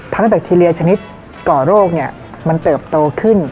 แบคทีเรียชนิดก่อโรคเนี่ยมันเติบโตขึ้น